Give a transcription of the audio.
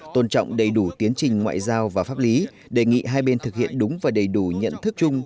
tôn trọng đầy đủ tiến trình ngoại giao và pháp lý đề nghị hai bên thực hiện đúng và đầy đủ nhận thức chung